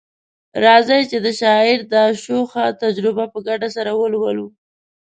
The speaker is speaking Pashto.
راځئ چي د شاعر دا شوخه تجربه په ګډه سره ولولو